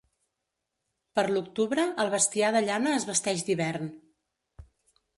Per l'octubre el bestiar de llana es vesteix d'hivern.